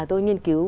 tôi nghiên cứu